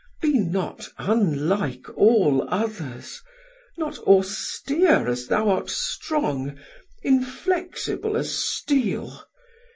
Be not unlike all others, not austere As thou art strong, inflexible as steel.